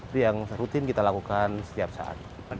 itu yang rutin kita lakukan setiap saat